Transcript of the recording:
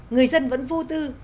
người dân vẫn vô tư